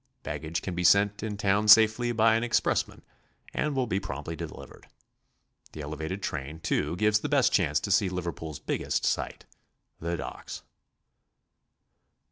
Baggage can be sent in town safely by an expressman, and will be promptly delivered. The elevated train, too, gives the best chance to see Liverpoofs biggest sight, the docks.